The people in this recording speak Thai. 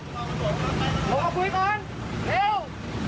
ลงมาคุยก่อนเร็ว